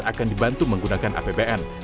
akan dibantu menggunakan apbn